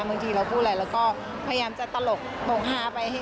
บางทีเราพูดอะไรเราก็พยายามจะตลกโมงฮาไป